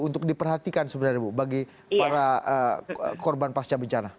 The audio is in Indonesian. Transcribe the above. untuk diperhatikan sebenarnya bu bagi para korban pasca bencana